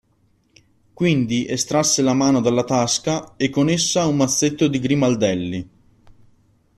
Quindi estrasse la mano dalla tasca e con essa un mazzetto di grimaldelli.